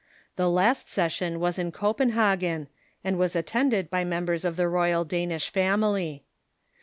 The last session was in Copenhagen, and was attended by mem bers of the royal Danish family.